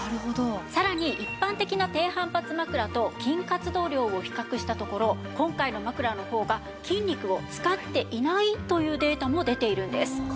さらに一般的な低反発枕と筋活動量を比較したところ今回の枕の方が筋肉を使っていないというデータも出ているんです。